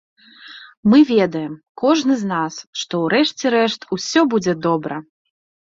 Мы ведаем, кожны з нас, што ў рэшце рэшт усё будзе добра.